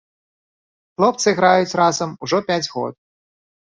Хлопцы граюць разам ужо пяць год.